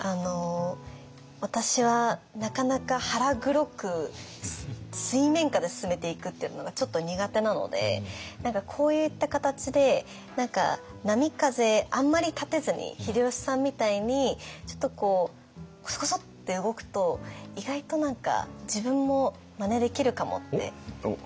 私はなかなか腹黒く水面下で進めていくっていうのがちょっと苦手なのでこういった形で波風あんまり立てずに秀吉さんみたいにちょっとこうコソコソって動くと意外と自分もまねできるかもって。